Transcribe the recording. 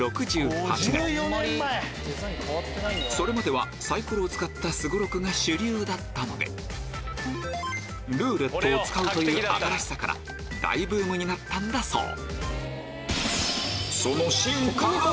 それまではサイコロを使ったスゴロクが主流だったのでルーレットを使うという新しさから大ブームになったんだそう